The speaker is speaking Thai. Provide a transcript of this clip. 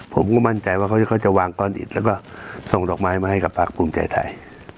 ผมก็มั่นใจว่าเขาจะวางก้อนอิดแล้วก็ส่งดอกไม้มาให้กับภาคภูมิใจไทย